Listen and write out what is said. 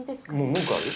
文句ある？